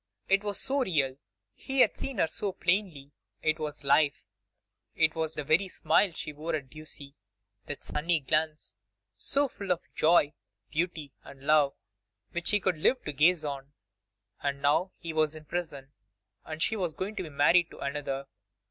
It was so real; he had seen her so plainly; it was life; it was the very smile she wore at Ducie; that sunny glance, so full of joy, beauty, and love, which he could live to gaze on! And now he was in prison, and she was going to be married to another.